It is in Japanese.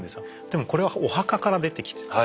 でもこれはお墓から出てきてる。